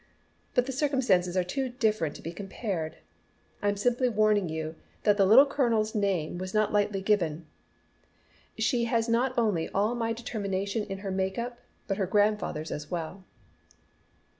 But the circumstances are too different to be compared. I'm simply warning you that the Little Colonel's name was not lightly given. She has not only all my determination in her makeup, but her grandfather's as well."